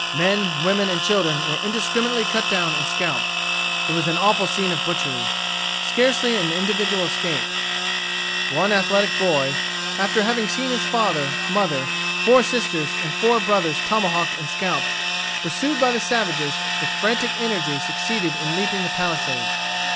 Men, women, and children were indiscriminately cut down and scalped. It was an awful scene of butchery. Scarcely an individual escaped. One athletic boy, after having seen his father, mother, four sisters, and four brothers tomahawked and scalped, pursued by the savages, with frantic energy succeeded in leaping the palisades.